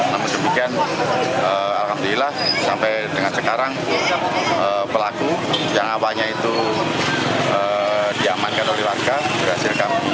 namun sebegitu alhamdulillah sampai dengan sekarang pelaku yang awalnya itu diamankan oleh warga berhasilkan membawa ke kantor